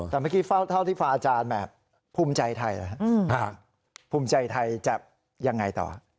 แต่เมื่อกี้เท่าที่ฟังอาจารย์แบบภูมิใจไทยภูมิใจไทยจะยังไงต่อ